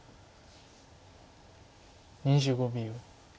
２５秒。